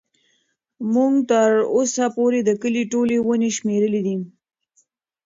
موږ تر اوسه پورې د کلي ټولې ونې شمېرلي دي.